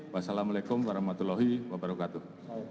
wassalamu'alaikum warahmatullahi wabarakatuh